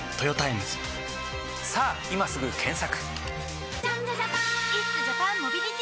さぁ今すぐ検索！